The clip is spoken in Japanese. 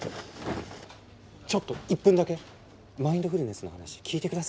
ちょっと１分だけマインドフルネスの話聞いて下さいよ。